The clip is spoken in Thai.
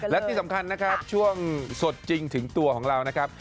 และที่สำคัญนะครับช่วงสดจริงถึงตัวของเรานะครับ